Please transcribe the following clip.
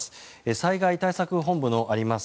災害対策本部のあります